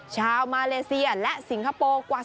ชาวมาเรเซียและสิงคโปร์กว่า๒๐๐๐คน